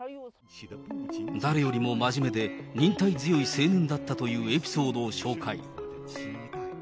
誰よりも真面目で忍耐強い青年だったというエピソードを紹介。